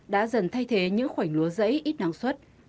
đã dần thay thế những khoảnh lúa dẫy ít năng suất